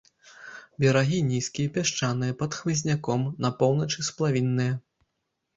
Берагі нізкія, пясчаныя, пад хмызняком, на поўначы сплавінныя.